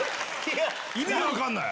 意味分かんない！